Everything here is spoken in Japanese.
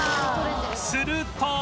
すると